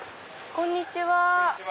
こんにちは。